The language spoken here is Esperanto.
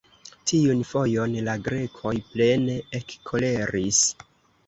Tiun fojon, la Grekoj plene ekkoleris.